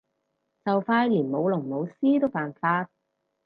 就快連舞龍舞獅都犯法